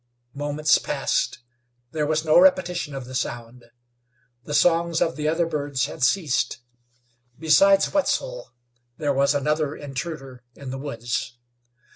Moments passed. There was no repetition of the sound. The songs of the other birds had ceased. Besides Wetzel there was another intruder in the woods.